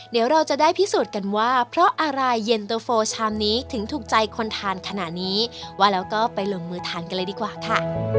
เดี๋ยวเราจะได้พิสูจน์กันว่าเพราะอะไรเย็นเตอร์โฟชามนี้ถึงถูกใจคนทานขนาดนี้ว่าแล้วก็ไปลงมือทานกันเลยดีกว่าค่ะ